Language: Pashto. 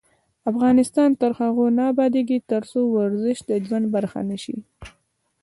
افغانستان تر هغو نه ابادیږي، ترڅو ورزش د ژوند برخه نشي.